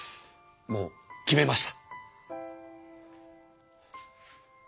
もう決めました。